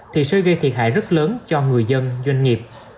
thì sẽ gây thiệt hại rất lớn cho người dân doanh nghiệp